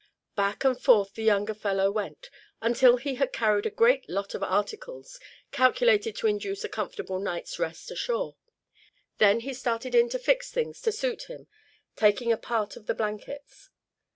Back and forth the younger fellow went, until he had carried a great lot of articles, calculated to induce a comfortable night's rest ashore. Then he started in to fix things to suit him, taking a part of the blankets.